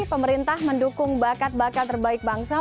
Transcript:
pemerintah mendukung bakat bakat terbaik bangsa